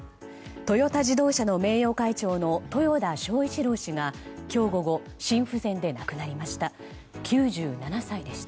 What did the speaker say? トヨタ自動車の名誉会長の豊田章一郎氏が今日午後心不全で亡くなりました。